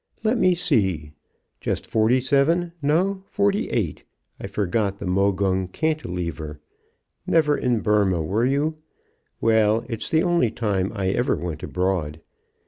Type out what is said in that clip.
"Let me see just forty seven no, forty eight! I forgot the Mogung cantilever. Never in Burma were you? Well, it's the only time I ever went abroad.